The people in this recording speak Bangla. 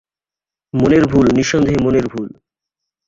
মনের ভুল, নিঃসন্দেহে মনের ভুল।